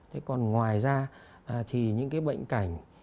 thế còn ngoài ra thì những cái bệnh cảnh